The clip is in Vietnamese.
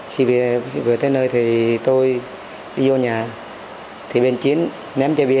khi về tới nơi thì tôi đi vô nhà